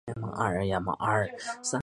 美国有两个层次的认证机构。